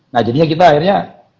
nah jadinya kita akhirnya